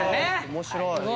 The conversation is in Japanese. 面白い。